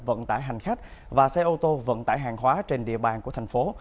vận tải hành khách và xe ô tô vận tải hàng hóa trên địa bàn của thành phố